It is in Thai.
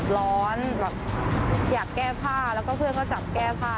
ร้อนแบบอยากแก้ผ้าแล้วก็เพื่อนก็จับแก้ผ้า